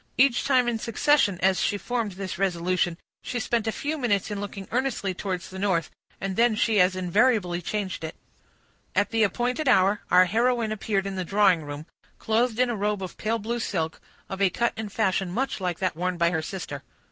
Each time in succession, as she formed this resolution, she spent a few minutes in looking earnestly towards the north, and then she as invariably changed it. At the appointed hour, our heroine appeared in the drawing room, clothed in a robe of pale blue silk, of a cut and fashion much like that worn by her sister.